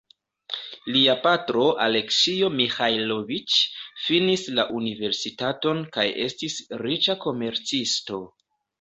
Lia patro "Aleksio Miĥajloviĉ" finis la universitaton kaj estis riĉa komercisto.